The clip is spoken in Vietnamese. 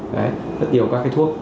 rất nhiều các thuốc